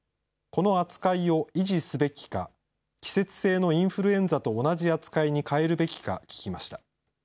この扱いを維持すべきか、季節性のインフルエンザと同じ扱いに変えるべきか聞きました。